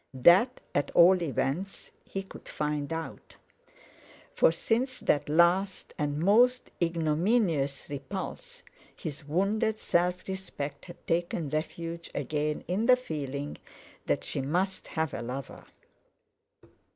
That at all events he could find out. For since that last and most ignominious repulse his wounded self respect had taken refuge again in the feeling that she must have a lover.